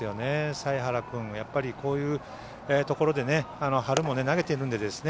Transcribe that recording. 財原君、こういうところで春も投げているので。